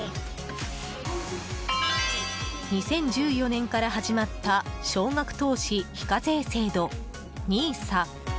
２０１４年から始まった少額投資非課税制度・ＮＩＳＡ。